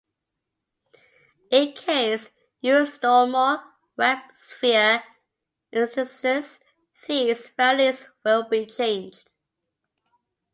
In case you install more WebSphere instances these values will be changed.